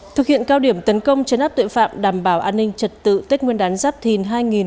thực hiện cao điểm tấn công chấn áp tội phạm đảm bảo an ninh trật tự tết nguyên đán giáp thìn hai nghìn hai mươi bốn